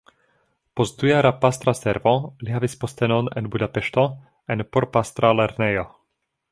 Post dujara pastra servo li havis postenon en Budapeŝto en porpastra lernejo.